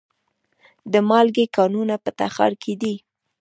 د مالګې کانونه په تخار کې دي